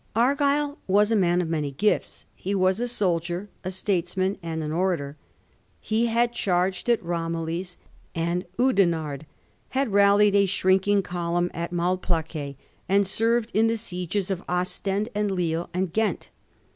Argyll was a man of many gifts. He was a soldier, a statesman^ and an orator. He had charged at Ramillies and Oudenarde, had rallied a shrinking column at Mal plaquet, and served in the sieges of Ostend and LiUe and Ghent.